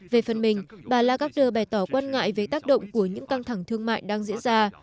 về phần mình bà lagarder bày tỏ quan ngại về tác động của những căng thẳng thương mại đang diễn ra